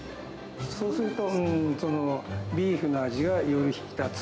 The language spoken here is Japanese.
そうすると、ビーフの味がより引き立つ。